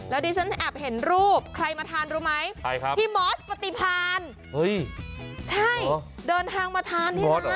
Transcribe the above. แล้วดีฉันแอบเห็นรูปใครมาทานรู้ไหมใช่ครับพี่มอสปฏิพันธ์เฮ้ยใช่เหรอเดินทางมาทานพี่มอสเหรอ